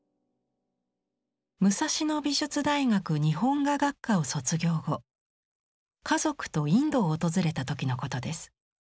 武蔵野美術大学日本画学科を卒業後家族とインドを訪れた時のことです。